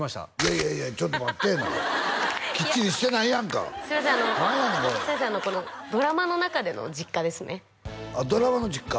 いやいやちょっと待ってえなきっちりしてないやんかすいません何やねんこれドラマの中での実家ですねあっドラマの実家？